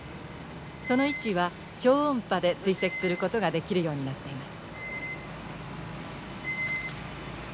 その位置は超音波で追跡することができるようになっています。